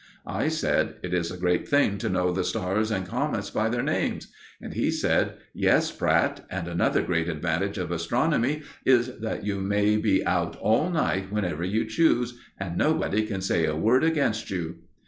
I said: "It is a great thing to know the stars and comets by their names." And he said: "Yes, Pratt, and another great advantage of astronomy is that you may be out all night whenever you choose, and nobody can say a word against you."